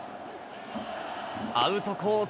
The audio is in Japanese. アウトコース